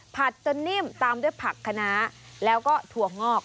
จนนิ่มตามด้วยผักคณะแล้วก็ถั่วงอก